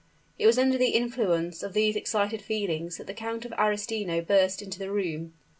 It was under the influence of these excited feelings that the Count of Arestino burst into the room.